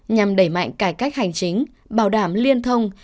nhằm đẩy mạnh cải cách hành chính bảo đảm liên thông